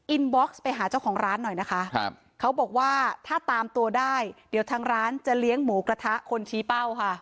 บ็อกซ์ไปหาเจ้าของร้านหน่อยนะคะครับเขาบอกว่าถ้าตามตัวได้เดี๋ยวทางร้านจะเลี้ยงหมูกระทะคนชี้เป้าค่ะ